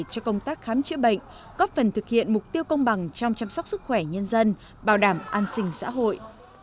cho công tác khám chữa bệnh góp phần thực hiện mục tiêu công bằng trong chăm sóc sức khỏe nhân dân bảo đảm an sinh xã hội